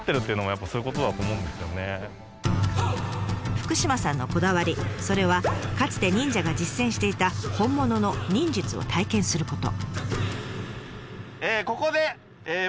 福島さんのこだわりそれはかつて忍者が実践していた本物の忍術を体験すること。